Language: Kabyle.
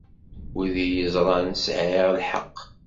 Wid i iyi-iẓran sɛiɣ lḥeqq.